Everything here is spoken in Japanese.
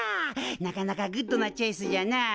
なかなかグッドなチョイスじゃなあ。